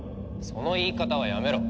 その言い方はやめろ。